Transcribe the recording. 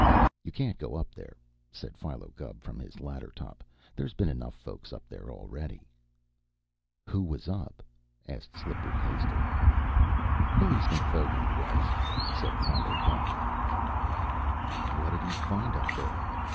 "You can't go up there," said Philo Gubb, from his ladder top. "There's been enough folks up there already." "Who was up?" asked Slippery hastily. "Policeman Fogarty was," said Philo Gubb. "What'd he find up there?"